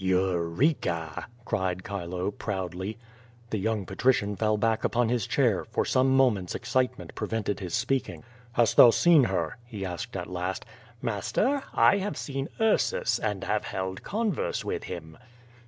"Eureka!" cried Chilo, proudly. The young patrician fell back upon his chair; for some moments excitement prevented his speaking. "Hast thou seen her?" he asked at last. "Master, I have seen Ursus, and have held converse with him."